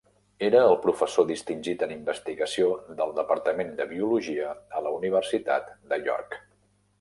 Era el professor distingit en investigació del departament de biologia a la Universitat de York.